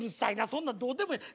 そんなんどうでもええ